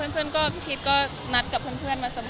ซึ่งพี่พีชก็นัดกับเพื่อนมาสำคัญ